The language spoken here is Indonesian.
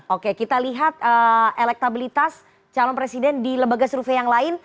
oke kita lihat elektabilitas calon presiden di lembaga survei yang lain